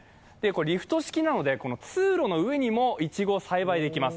リフト式なので、通路の上にもいちごを栽培できます。